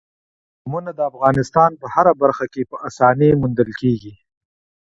قومونه د افغانستان په هره برخه کې په اسانۍ موندل کېږي.